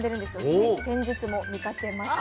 つい先日も見かけました。